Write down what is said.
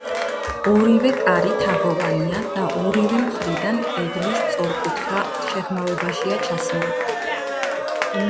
ორივე კარი თაღოვანია და ორივე მხრიდან კედლის სწორკუთხა შეღრმავებაშია ჩასმული.